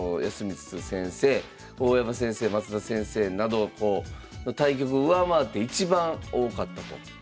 大山先生升田先生などの対局を上回って一番多かったと。